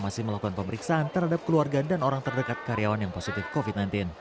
masih melakukan pemeriksaan terhadap keluarga dan orang terdekat karyawan yang positif covid sembilan belas